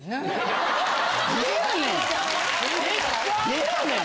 でやねん！